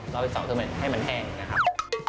รอบอีก๒รอบคือให้มันแห้งนะครับ